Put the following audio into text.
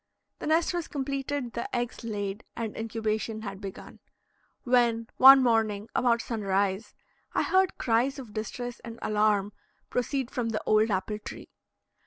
The nest was completed, the eggs laid, and incubation had begun, when, one morning about sunrise, I heard cries of distress and alarm proceed from the old apple tree.